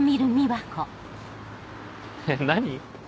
えっ何？